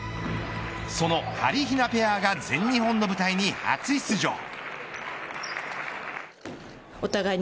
その、はりひなペアが全日本の舞台に初出場。